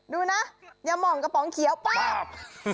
ดูนะเย้าหมองกะป๋องเขียวป้าบ